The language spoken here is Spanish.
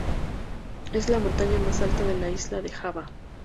Es la montaña más alta de la isla de Java.